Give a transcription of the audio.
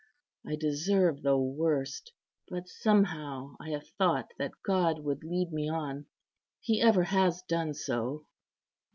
I deserve the worst, but somehow I have thought that God would lead me on. He ever has done so."